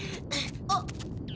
あっ。